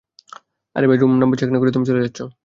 আরে ভাই, room number check না করে তুমি চলে যাচ্ছো।